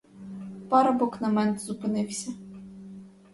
Парубок на мент зупинився.